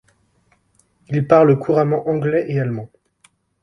Il parle couramment anglais et allemand.